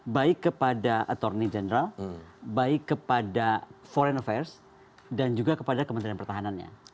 baik kepada atorni general baik kepada foreign affairs dan juga kepada kementerian pertahanannya